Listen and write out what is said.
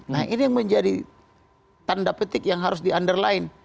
nah ini yang menjadi tanda petik yang harus di underline